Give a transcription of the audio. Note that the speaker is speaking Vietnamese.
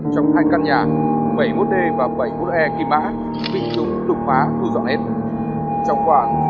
một trăm linh năm triệu đồng